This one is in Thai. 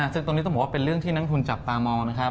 ซึ่งตรงนี้ต้องบอกว่าเป็นเรื่องที่นักทุนจับตามองนะครับ